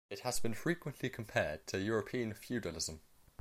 It has been frequently compared to European feudalism.